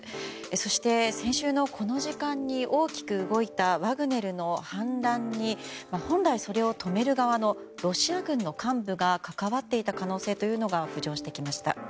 そして、先週のこの時間に大きく動いたワグネルの反乱に本来それを止める側のロシア軍の幹部が関わっていた可能性が浮上してきました。